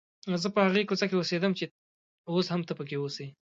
زه په هغې کوڅې کې اوسېدم چې اوس هم ته پکې اوسې.